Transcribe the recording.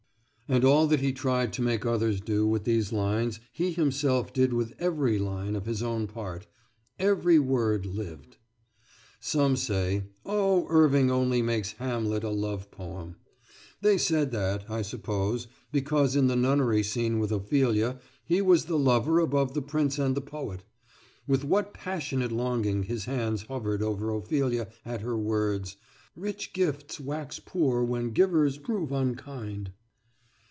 And all that he tried to make others do with these lines he himself did with every line of his own part. Every word lived. Some said: "Oh, Irving only makes 'Hamlet' a love poem!" They said that, I suppose, because in the nunnery scene with Ophelia he was the lover above the prince and the poet. With what passionate longing his hands hovered over Ophelia at her words, "Rich gifts wax poor when givers prove unkind!"